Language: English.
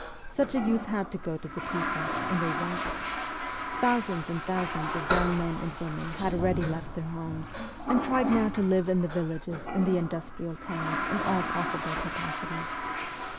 Such a youth had to go to the people and they went. Thousands and thousands of young men and women had already left their homes, and tried now to live in the villages and the industrial towns in all possible capacities.